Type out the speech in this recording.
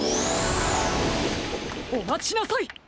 おまちなさい！